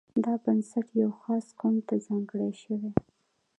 دا بنسټ یوه خاص قوم ته ځانګړی شوی.